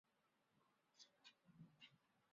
现今多为群猪养殖户。